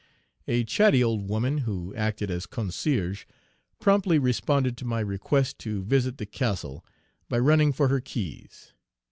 A chatty old woman, who acted as concierge, promptly responded to my request to visit the castle, by running for her keys.